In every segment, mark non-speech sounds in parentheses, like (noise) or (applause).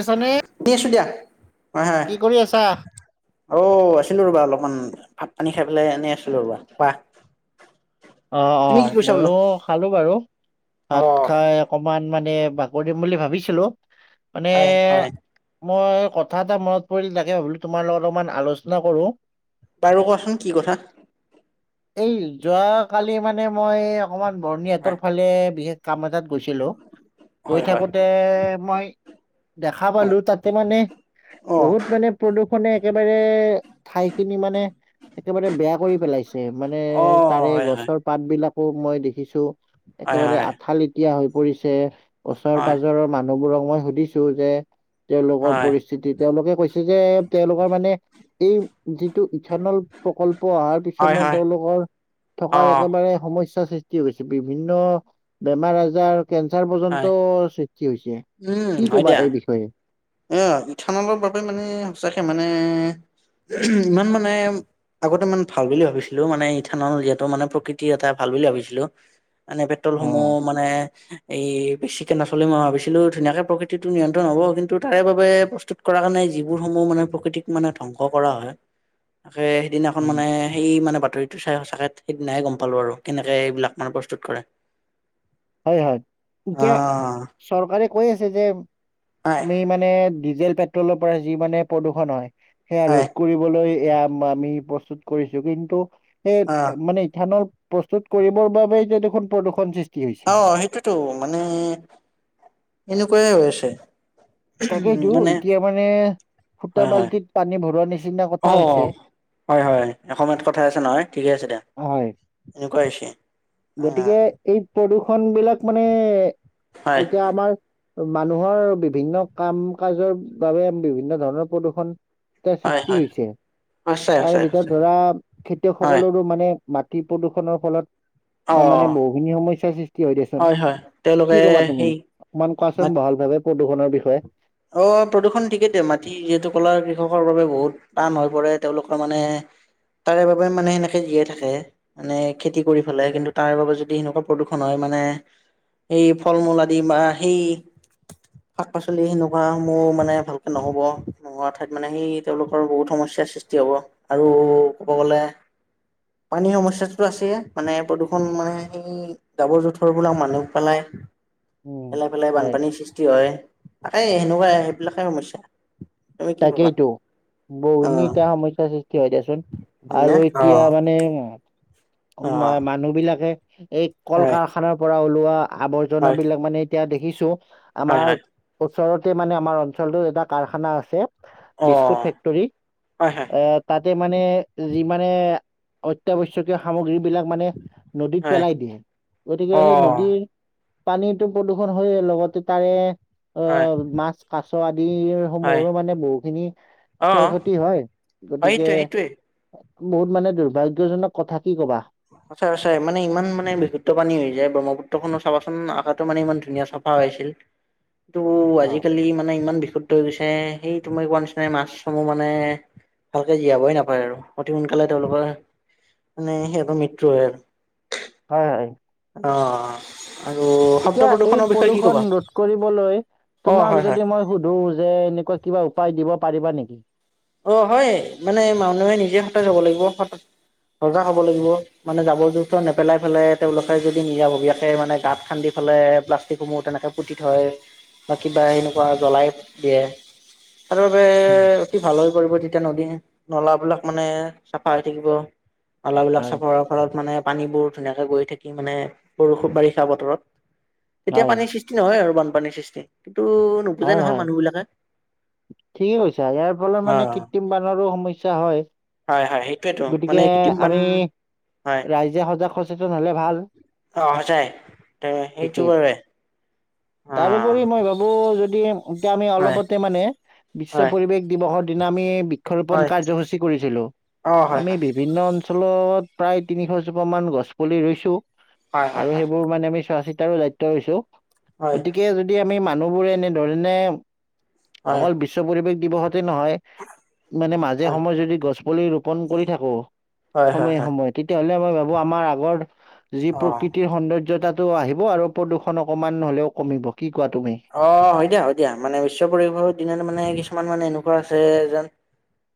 আছানে দিছোঁ দিয়া কি কৰি আছা (unintelligible) অ', আছিলো ৰ'বা অলপমান ভাত পানী খাই পেলাই এনেই আছিলো ৰবা কোৱা অ', তুমি অ', কি কৰিছা বোলো মইও খালো বাৰু অ ভাত খাই অকমান মানে বাগৰিম বুলি ভাবিছিলো মানে হয় হয় মই কথা এটা মনত পৰিল তাকে ভাবিলোঁ তোমাৰ লগত অলপমান আলোচনা কৰো বাৰু কোৱাচোন কি কথা এই যোৱাকালি মানে মই অকমান বৰণি হয় হাতৰ ফালে বিশেষ কাম এটাত গৈছিলো হয় গৈ হয় থাকোতে মই দেখা পালো হয় তাতে মানে অ বহুত মানে প্ৰদূষণে একেবাৰে ঠাই খিনি মানে একেবাৰে বেয়া কৰি পেলাইছে। মানে অ তাৰে হয় হয় গছৰ পাত বিলাকো মই দেখিছো হয় একেবাৰে হয় আঠালি হৈ পৰিছে ওচৰ হয় পাজৰৰ মানুহবোৰক মই সুধিছো যে তেওঁলোকৰ হয় পৰি তেওঁলোকে কৈছে যে তেওঁলোকৰ মানে এই যিটো ইথানল প্ৰকল্প অহাৰ পিছত হয় মানে হয় তেওঁলোকৰ অ থকাৰ একেবাৰে সমস্যাৰ সৃষ্টি হৈছে বিভিন্ন বেমাৰ আজাৰ কেন্সাৰ হয় পৰ্যন্ত সৃষ্টি হৈছে, কি কবা এই বিষয়ে অ', ইথানলৰ বাবে মানে সঁচাকে মানে ইমান মানে আগতে ইমান ভাল বুলি ভাবিছিলো মানে ইথানল যিহেটো মানে প্ৰকৃতিৰ এটা ভাল বুলি ভাবিছিলো মানে অ পেট্ৰলসমূহ মানে এই বেছিকে নচলিলে মই ভাবিছিলো ধুনীয়াকে প্ৰকৃতিটো নিয়ন্ত্ৰণ হব কিন্তু টো তাৰে বাবে প্ৰস্তুত কৰা কাৰণে যিবোৰ সমূহ মানে প্ৰকৃতিক মানে ধ্বংস কৰা হয়। তাকে সেইদিনাখন উম মানে সেই মানে বাতৰিটো চাই সঁচাকে সেইদিনাইে গম পালো আৰু কেনেকে এইবিলাক মানে প্ৰস্তুত কৰে। হয় হয়, এতিয়া অ', চৰকাৰে কৈ আছে যে হয়। (inaudible) কৰিবলৈ এয়া হয়, আমি প্ৰস্তুত কৰিছো কিন্তু, অ', সেই মানে ইথানল প্ৰস্তুত কৰিবৰ বাবোব দেখোন প্ৰদূষণ সৃষ্টি হৈছে অ', সেইটোৱেটো মানে এনেকুৱাইে হৈ আছে। তাকেইটো মানে এতিয়া মানে সুতা হয়, হয়, বাল্টিত পানী ভৰোৱা নিচিনা কথা অ', হৈছে। হয় হয়, এসময়ত কথা আছে নহয় ঠিকে আছে দে, হয় এনেকুৱা হৈছে। গতিকে অ', এই প্ৰদূ্ষণ বিলাক মানে হয়, এতিয়া আমাৰ মানুহৰ বিভিন্ন কাম কাজৰ বাবে বিভিন্ন ধৰণৰ প্ৰদূৰ্ষণ। এ হয়, সৃষ্টি হয়, হৈছে সঁচাই, তাৰ সঁচাই, সঁচাই। ভিতৰত ধৰা হয় খেতিয়কসকলৰো মানে মাটি প্ৰদূষণৰ ফলত অ', মানে বহুখিনি সমস্যাৰ সৃষ্টি হয় দিয়কচোন। হয় তেওঁলোকে কি ক'বা তুমি, সেই অকমান মাত কোৱাচোন ভাল ভাবে প্ৰদূষণৰ বিষয়ে। অ', প্ৰদূষণ ঠিকেইতে মাটি যিহেতু কলা কৃষকৰ বাবে বহুত টান হৈ পৰে, তেওঁলোকৰ মানে তাৰে বাবে মানে সেনেকে জীয়াই থাকে। মানে খেতি কৰি পেলাই কিন্তু, তাৰ বাবে যদি সেনেকুৱা প্ৰদূৰণ হয় মানে সেই ফল মূল আদি বা সেই শাক পাচলি সেনেকুৱা সাসমূহ মানে ভালকৈ নহ'ব নোহোৱা ঠাইত মানে সেই তেওঁলোকৰ বহুত সমস্যাৰ সৃষ্টি হ'ব আৰু ক'ব গ'লে পানীৰ সমস্যাটো আছেে মানে প্ৰদূষণ মানে সেই জাবৰ জোঁথৰবিলাক মানুহ পেলাই উম পেলাই পেলাই হয় বানপানীৰ সৃষ্টি হয়। এই সেনেকুৱাই সেইবিলাকে সমস্যা। তুমি কি ভাবা তাকেইটো (inaudible) অ বহিনী এতিয়া সমস্যাৰ সৃষ্টি হয় দেচোন আৰু হয়নে অ এতিয়া মানে অ মানুহ বিলাকে এই কল হয় কাৰখ খানৰ পৰা ওলোৱা হয় আৱৰ্জাবিলাক মানে এতিয়া দেখিছো হয় আমাৰ হয় ওচৰতে মানে আমাৰ অঞ্চলটো এটা কাৰখানা আছে অ বিস্কুট ফেক্টৰী হয় হয় এ তাতে মানে যি মানে অতআৱশ্যক শকীয় সামগ্ৰী বিলাক মানে নদীত হয় পেলাই দিয়ে গতিকে অ সেই নদীৰ পানীটো প্ৰদূষণ হয় লগতে তাৰে হয় মাছ, কাছ আদিৰ হয় সমূহৰো মানে বহুখিনি অ ক্ষয় ক্ষতি হয় হয় গতিকে সেইটোৱে সেইটোৱে বহুত মানে দুৰ্ভাগ্যজনক কথা কি কবা। আচ আচছে মানে ইমান মানে বিশুদ্ধ পানী হৈ যায় ব্ৰহ্মপুত্ৰ খনৰ চাবাচোন আঁকাাতো মানে ইমান ধুনীয়া চাফা হৈছিল (inaudible) (unintelligible) কিটো অ', আজিকালি মানে ইমান বিশুদ্ধ হৈ গৈছে, সেই তুমি কোৱা নিচিনাাই মাছসমূহ মানে ভালকে জীয়াবই নাপায় আৰু অতি সোনকালে তেওঁলোকৰ মানে সেই মৃত্যু হয় আৰু হয় হয়। অঁ। আৰু এতিয়া এই প্ৰদূৰ্ষন ৰোধ কৰিবলৈ অ তোমাক হয় হয় যদি মই সুধো যে এনেকুৱা কিবা উপায় দিব পাৰিবা নেকি? অ', হয় মানে মানুহে, নিজে সতেজ হ'ব লাগিব সজাগ হ'ব লাগিব মানে জাবৰ জোঁথৰ নেপেলাই পেলাই তেওঁলোকে যদি নিজাববীয়াকে মানে গাঁত খান্দি পেলালে প্লাষ্টিকসমূহ তেনেকে পুতি থয় বা কিবা এনেকুৱা জ্বলাই দিয়ে তাৰ বাবে উম অ', ভাল হৈ পৰিব, তেতিয়া নদী নলাবিলাক মানে চাফা হৈ থাকিব নলাবিলাক হয়। চাফা ৰত মানে পানীবোৰ ধুনীয়াকে গৈ থাকি মানে বৰষুণ (unintelligible) বাৰিষা বতিয়া হয় পান সৃষ্টি নহয় আৰু বানপানীৰ সৃষ্টি, কিন্তু নুবুজে নহয় মানুহ বিলাকে। ঠিকেই কৈছা ইয়াৰ ফলত মানে অ', কৃত্ৰিম বানৰো সমস্যা হয়। হয়, হয়, সেইটোয়েতো গতিকে মানে কৃত্ৰিম বান আমি হয় ৰাইজে সজাগ সচেতন হলে ভাল। অ', সঁচাই ত' সেইটো বাবে অ তাৰ উপৰি মই ভাবো যদি আমি হয় অলপতে মানে বিশ্ব হয় পৰিবেশ দিৱসৰ দিনা আমি হয় বৃক্ষৰোপন কাৰ্যসূচী কৰিছিলোঁ অ হয় আমি হয়। বিভিন্ন অঞ্চলত প্ৰায় তিনিশ জোপা মান গছ পুলি ৰুইছো হয় হয় আৰু হয় সেইবোৰ মানে আমি চোৱা চিতাৰো দায়িত্ব লৈছো, হয় গতিকে যদি যদি আমি মানুহবোৰে এনেধৰণে হয় হয় অকল বিশ্ব পৰিৱেশ দিৱসতে নহয় মানে মাজে সময়ে যদি গছ পুলি ৰোপন কৰি থাকো, হয় হয় সময়ে হয় সময়ে তেতিয়াহলে মই ভাবো আমাৰ আগৰ যি অ প্ৰক সৌন্দৰ্যতাটো আহিব আৰু প্ৰদূষণ অকণমান হ'লেও কমিব কি কোৱা তুমি? অ', হয় দিয়া, হয় দিয়া মানে বিশ্ব পৰিৱেশৰ দিনত মানে কিছুমান মানে এনেকুৱা আছে যেন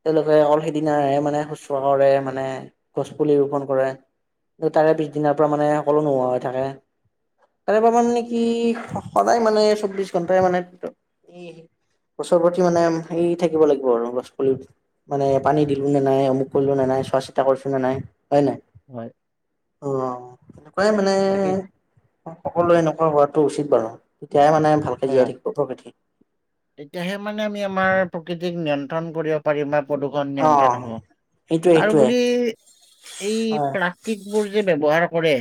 তেওঁলোকে অকল সিদিনে মানে শুশ্ৰূষ কৰে, মানে গছ পুলি ৰোপন কৰে। কিন্ত তাৰে পিছদিনৰাৰ পৰা মানে সকলো নোহোৱা হৈ থাকে। তাৰে পৰা মানে নেকি সদায় মানে চৌবিশ ঘন্টাই মানে গছৰ প্ৰতি মানে হেৰি থাকিব লাগিব আৰু গছ পুলি মানে পানী দিলো নে নাই, অমুক কৰিলোঁ নে নাই, চোৱা চিতা কৰিছোঁ নে নাই, হয় নে নাই? হয়। অহ তেনেকুৱাই মানে তাকেই সকলোৱে এনেকুৱা হোৱাটো উচিত বাৰু তেতিয়াই মানে ভালকে হয় জীয়াই হয় থাকিব প্ৰকৃতি তেতিয়াহে মানে আমি আমাৰ প্ৰকৃতিক নিয়ন্ত্ৰণ কৰি পৰিম প্ৰদূষণ অ নিয়ন্ত্ৰণ হব, সেইটোৱে তাৰ সেইটোৱে উপৰি এই হয় বুৰ যে ব্যৱহাৰ কৰে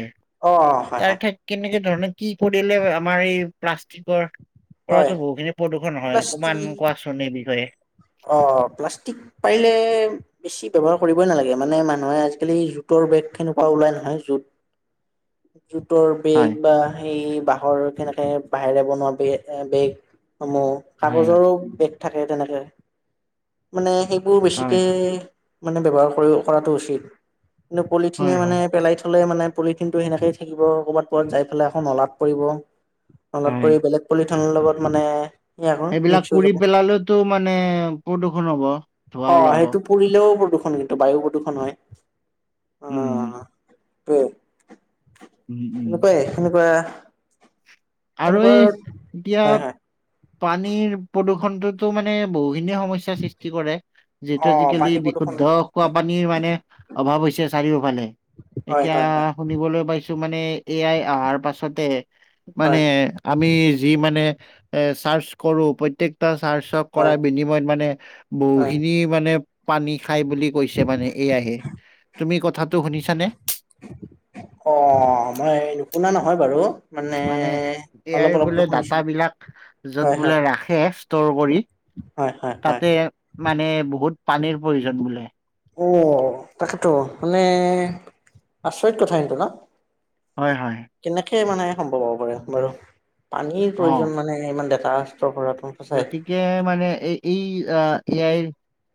অ হয় তাৰ হয় ক্ষে কেনেকে ধৰণে কি কৰিলে আমাৰ এই প্লাষ্টিকৰ হয় পৰাতো বহুখিনি প্ৰদূষণ হয়, অকমান প্লাষ্টিক কোৱাচোন এই বিষয়ে। অ', প্লাষ্টিক পাৰিলে বেছি ব্যৱহাৰ কৰিবই নালাগে মানে মানুহে আজিকালি জোতৰ বেগ তেনেকুৱা ওলাই নহয় জুত (inaudible) জোতৰ হয় বেগ বা সেই বাঁহৰ কেনেকে বাঁহেৰে বনোৱা বে বেগসমূহ হয় হয় কাগজৰো বেগ থাকে তেনেকে মানে সেইবোৰ হয় বেছিকে মানে ব্যৱহাৰ কৰাটো উচিত কিন্তু পলিথিনে হয় মানে হয় পেলাই থলে মানে পলিথিন টো সেনেকয়ে থাকিব ক'ৰবাত পৰাত যাই পেলাই আকৌ নলাত পৰিব, নলাত হয় পৰি বেলেগ প্ৰদূষণৰ লগত মানে - সেইবিলাক কৰি পেলালেতো মানে প্ৰদূৰষণ হব। ধোঁৱা অ', ওলাব। সেইটো পৰিলেও প্ৰদূষণ কিন্তু বায়ু প্ৰদূষণ হয়। অ উম, (inaudible) উম, উম, এনেকুৱাই সেনেকুৱা আৰু এনেকুৱা এই এতিয়া হয় হয় পানীৰ প্ৰদূৰ্ষণটোতো মানে বহুখিনি সমস্যা সৃষ্টি কৰে অ যিতু আজিকালি পানী প্ৰদূষণ বিশুদ্ধ খোৱা পানীৰ মানে অভাৱ হৈছে চাৰিওফালে হয় এতিয়া হয় হয় শুনিবলৈ পাইছো মানে এ আই অহাৰ পাছতে মানে হয় আমি যি মানে এ চাৰ্চ কৰো প্ৰত্যেকটা চাৰ্চ হয় কৰাৰ বিনিময়ত মানে হয় বহুখিনি মানে পানী খাই বুলি কৈছে মানে এয়াহে তুমি কথাটো শুনিছানে? অ', মই নুশুনা নহয় বাৰু। মানে এ আই অলপ বোলে অলপকৈ শুনিছিলো ডাটাবিলাক য'ত হয় বোলে হয় ৰাখে ষ্টৰ কৰি। হয় হয় হয় তাতে মানে বহুত পানীৰ প্ৰয়োজন বোলে। অ', তাকেতো মানে আচৰিত কথা সেইটো ন। হয়, হয়। কেনেকে মানে সম্ভৱ পাব পাৰে বাৰু পানীৰ অ প্ৰয়োজন মানে ইমান ডেটা ষ্ট'ৰ কৰাটো। সঁচাই গতিকে মানে এই এই এয়াই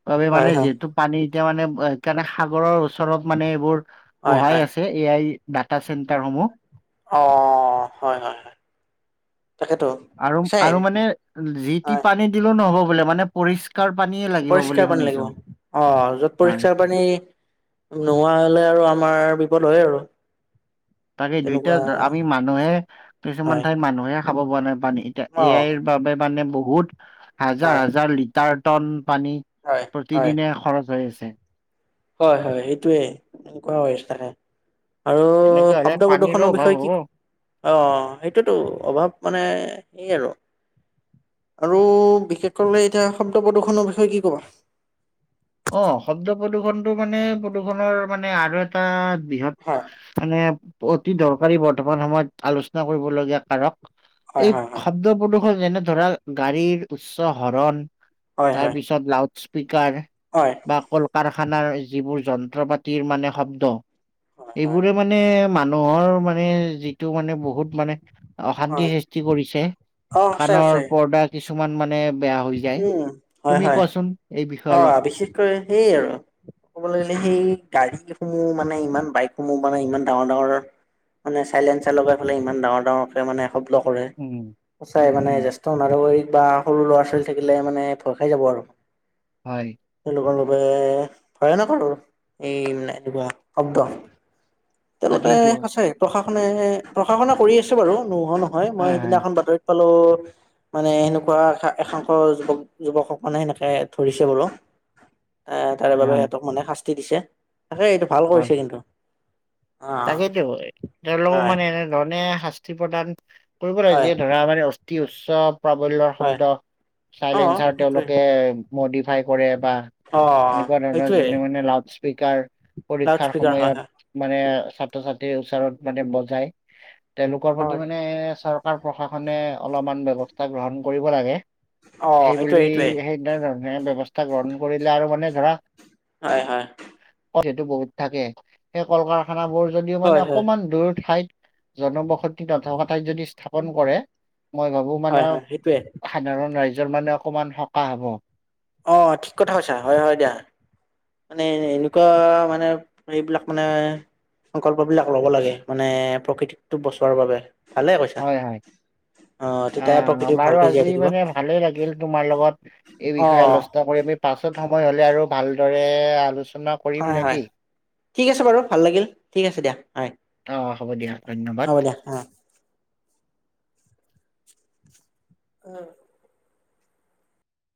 বাবে হয় মানে হয় যিহেতু পানী এতিয়া মানে এই কাৰণে সাগৰৰ ওচৰত মানে এইবোৰ হয় বঢ়াই হয় আছে এ আই ডাটা চেণ্টাৰসমূহ। অ', হয়, হয়, হয় তাকেতো। আৰু সঁচাই আৰু মানে যি তি হয় পানী দিলো নহ'ব বোলে মানে পৰিষ্কাৰ পানী লাগ পৰিষ্কাৰ পানী লাগিব। অহ য'ত হয় পৰিষ্কাৰ পানী নোহোৱা হ'লে আৰু আমাৰ বিপদ হয় আৰু। তেনেকুৱা তাকেটো আমি মানুহে কিছুমান হয় ঠাইত মানুহে খাব পৰা নাই পানী। এতিয়া অ', এ আইৰ বাবে মানে বহুত হাজাৰ হয়, হাজাৰ লিটাৰ টন পানী হয়, হয়, প্ৰতিদিনে খৰচ হৈ আছে। হয়, হয় সেইটোৱে (unintelligible) আৰু এনেকে হলে শব্দ পানীৰো প্ৰদূষণৰ অভাৱ বিষয়ে হ'ব কি অ', সেইটোতো অভাৱ মানে সেই আৰু। আৰু বিশেষকৈ এতিয়া শব্দ প্ৰদূষণৰ বিষয়ে কি ক'ব? অ', শব্দ প্ৰদূষণটো মানে প্ৰদূৰ্ষণৰ মানে আৰু এটা বৃহৎ হয়। মানে অতি দৰকাৰী বৰ্তমান সময়ত আলোচনা কৰিবলগীয়া কাৰক। হয়, এই হয়, শব্দ প্ৰদূষণ যেনে ধৰা গাড়ীৰ উচ্চ হৰণ হয়, হয়, তাৰপিছত লাউট স্পীকাৰ। হয়। বা কল কাৰখানাৰ যিবোৰ যন্ত্ৰ পাতিৰ মানে শব্দ। হয়, হয়, এইবোৰে মানে মানুহৰ মানে যিটো মানে বহুত মানে অশান্তি হয়, সৃষ্টি কৰিছে অ', আছে, আছে, কাণৰ পৰ্দা কিছুমান মানে বেয়া হৈ যায়। উম, হয়, তুমি হয়, কোৱাচোন? এই বিষয়ে অলপ অ', বিশেষকৈ সেই আৰু। ক'বলৈ গ'লে সেই গাড়ীসমূহ মানে ইমান বাইকসমূহ মানে ইমান ডাঙৰ ডাঙৰ মানে চাইলেঞ্চাৰ লগাই ফালে ইমান ডাঙৰ ডাঙৰকে মানে শব্দ কৰে উম উম সঁচাই মানে জে- উম জেষ্ঠ নাগৰিক বা সৰু ল'ৰা ছোৱালী থাকিলে মানে ভয় খাই যাব আৰু। হয়। তেওঁলোকৰ বাবে ভয়ানক আৰু এই মানে এনেকুৱা শব্দ। তেওঁলোকে তাকেইতো সঁচাই প্ৰশাসনে প্ৰশাসনে কৰি আছে বাৰু নোহোৱা নহয় মই হয় হয় সেইদিনাখন বাতৰিত সকলো মানে এনেকুৱা একাংশ যুৱক-যুৱকসকলে সেনেকে ধৰিছে বোলো এ তাৰে হয় বাবে হয় সিহঁতক মানে শাস্তি দিছে। তাকে এইটো ভাল হয় কৰিছে কিন্তু। অ' তাকেইতো তেওঁলোকক হয় মানে এনেধৰণে শাস্তি প্ৰদান কৰিব লাগে হয় যিয়ে ধৰা মানে অতি উচ্চ প্ৰাবল্যৰ হয় শব্দ অ' চাইলেঞ্চাৰ সেইটোৱে। তেওঁলোকে মডিফাই কৰে বা অ' এনেকুৱা ধৰণৰ সেইটোৱে যোনে মানে লাউড স্পীকাৰ লাউড পৰীক্ষাৰ স্পীকাৰ হয় হয় সময়ত মানে ছাত্ৰ ছাত্ৰীৰ ওচৰত মানে বজাই তেওঁলোকৰ প্ৰতি হয় মানে এ চৰ কাৰ প্ৰশাসনে অলপমান ব্যৱস্থা গ্ৰহণ কৰিব লাগে। অ' সেই সেইটোৱে বুলি সেইটোৱে। সেই তেনে ধৰণে ব্যৱস্থা গ্ৰহণ কৰিলে আৰু মানে ধৰা হয়, হয়। সেইটো বহুত থাকে। সেই কল কাৰখানাবোৰ যদিও মানে হয় হয় অকমান দূৰ ঠাইত জনবসতি নথকা ঠাইত যদি স্থাপন কৰে মই ভাবো হয় মানে হয় সেইটোৱে সাধাৰণ ৰাইজৰ মানে অকমান সকাহ হ'ব। অ', ঠিক কথা কৈছা হয় হয় দিয়া। মানে এনেকুৱা মানে এইবিলাক মানে সংকল্প বিলাক ল'ব লাগে মানে প্ৰকৃতিকটো বচোৱাৰ বাবে ভালে কৈছা। অ তেতিয়াহে অ', প্ৰকৃতি বাৰু ভালকে জীয়াই আজি থাকিব মানে ভালে লাগিল, তোমাৰ লগত এই অ বিষয়ে আলোচনা কৰি। পাছত সময় হ'লে আৰু ভালদৰে আলোচনা কৰিম হয় নেকি? হয়, ঠিক আছে বাৰু ভাল লাগিল, ঠিক আছে দিয়া হয়। অঁ হ'ব দিয়াঁ ধন্যবাদ। হ'ব দিয়া অ উম।